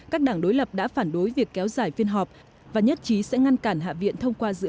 các đảng đối lập đã phản đối việc kéo dài phiên họp và nhất trí sẽ ngăn cản hạ viện thông qua dự